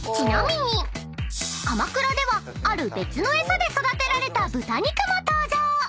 ［鎌倉ではある別の餌で育てられた豚肉も登場］